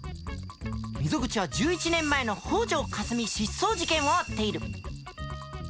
溝口は１１年前の北條かすみ失踪事件を追っている。